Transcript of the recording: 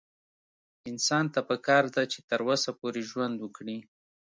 انسان ته پکار ده چې تر وسه پورې ژوند وکړي